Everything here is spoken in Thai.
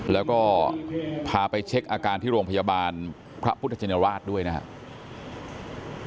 แล้วก็พาไปเช็คอาการที่โรงพยาบาลพระพุทธชินราชด้วยนะครับ